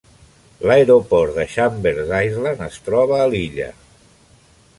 L'aeroport de Chambers Island es troba a l'illa.